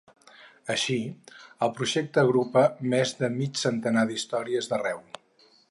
Així, el projecte agrupa més de mig centenar d’històries d’arreu.